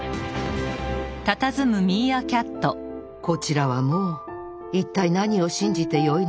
こちらはもう一体何を信じてよいのやらかわいそう。